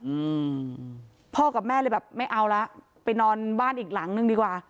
อืมพ่อกับแม่เลยแบบไม่เอาละไปนอนบ้านอีกหลังนึงดีกว่า